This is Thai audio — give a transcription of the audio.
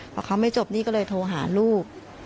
พอเขาไม่จบนี่ก็เลยโทรหาลูก